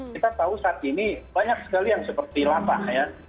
kita tahu saat ini banyak sekali yang seperti labah ya